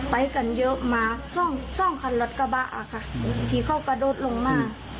ไปกันเยอะมาสองคันรถกระบะค่ะที่เขากระโดดลงมา